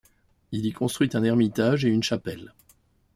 Il y construit un ermitage et une chapelle.